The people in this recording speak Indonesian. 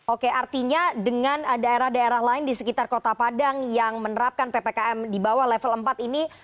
oke artinya dengan daerah daerah lain di sekitar kota padang yang menerapkan ppkm di bawah level empat ini